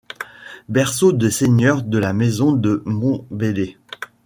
Berceau des seigneurs de la maison de Montbellet.